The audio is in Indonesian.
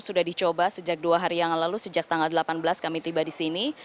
sudah dicoba sejak dua hari yang lalu sejak tanggal delapan belas kami tiba di sini